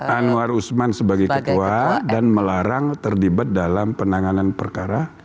anwar usman sebagai ketua dan melarang terlibat dalam penanganan perkara